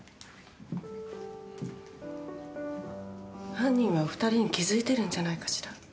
犯人はお２人に気づいてるんじゃないかしら。